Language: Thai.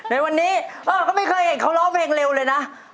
ในวันนี้เขาไม่เคยเห็นเขาร้องเพลงเร็วเลยนะ